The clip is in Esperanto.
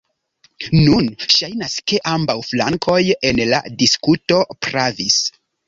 Nun ŝajnas ke ambaŭ flankoj en la diskuto pravis.